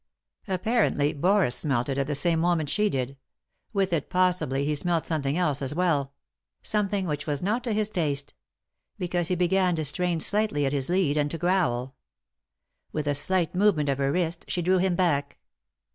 Apparently Boris smelt it at the same moment she did ; with it, possibly, he smelt some thing else as well ; something which was not to his taste ; because he began to strain slightly at his lead, and to growl. With a slight movement of her wrist she drew him back.